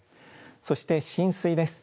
そして浸水です。